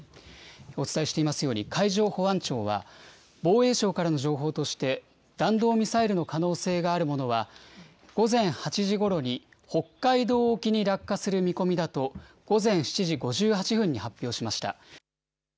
お伝えしていますように、海上保安庁は、防衛省からの情報として、弾道ミサイルの可能性のあるものは、午前８時ごろに北海道沖に落下する見込みだと、午前７時５８分に発表しました。